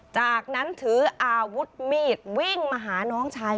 จากนั้นถืออาวุธมีดวิ่งมาหาน้องชาย